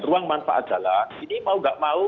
ruang manfaat jalan ini mau gak mau